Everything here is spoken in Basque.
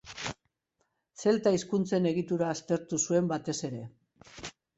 Zelta hizkuntzen egitura aztertu zuen batez ere.